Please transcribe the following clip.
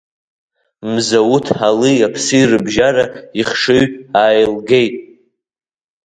Мзауҭ али-аԥси рыбжьара ихшыҩ ааилгеит.